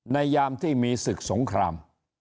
ยามที่มีศึกสงคราม